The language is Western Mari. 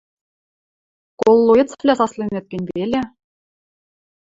Коллоэцвлӓ сасленӹт гӹнь веле...